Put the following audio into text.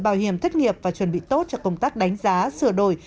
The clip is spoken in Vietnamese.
bảo hiểm thất nghiệp và chuẩn bị tốt cho công tác đánh giá sửa đổi